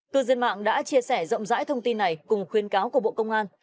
cư dân mạng đã chia sẻ rộng rãi thông tin này cùng khuyên cáo của bộ công an